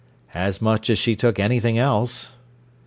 "As much as she took anything else."